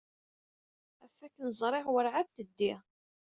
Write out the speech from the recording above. Ɣef wakken ẓriɣ, werɛad teddi.